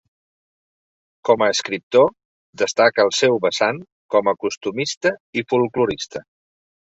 Com a escriptor, destaca el seu vessant com a costumista i folklorista.